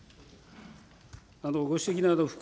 ご指摘の副